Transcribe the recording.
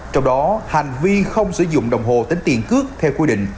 trong đó hành vi không sử dụng đồng hồ tính tiền cước theo quy định